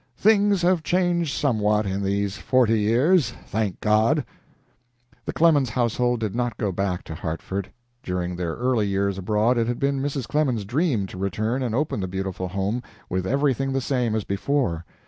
Things have changed somewhat in these forty years, thank God!" The Clemens household did not go back to Hartford. During their early years abroad it had been Mrs. Clemens's dream to return and open the beautiful home, with everything the same as before.